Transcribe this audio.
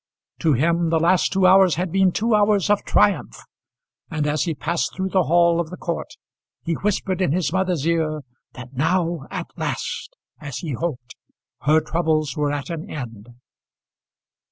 To him the last two hours had been two hours of triumph, and as he passed through the hall of the court he whispered in his mother's ear that now, at last, as he hoped, her troubles were at an end.